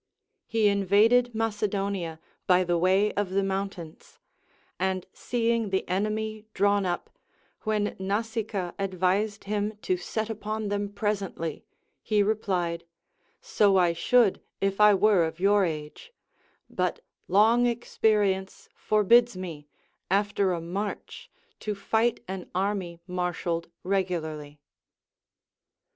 He invaded Mace donia by the way of the mountains ; and seeing the enemy drawn up, when Nasica advised him to set upon them pres ently, he replied : So I should, if I were of your age ; but long experience forbids me, after a march, to fight an army marshalled regularly.